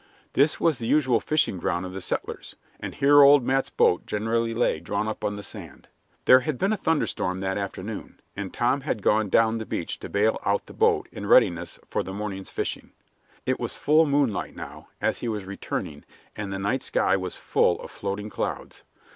This was the usual fishing ground of the settlers, and here old Matt's boat generally lay drawn up on the sand. There had been a thunderstorm that afternoon, and Tom had gone down the beach to bale out the boat in readiness for the morning's fishing. It was full moonlight now, as he was returning, and the night sky was full of floating clouds.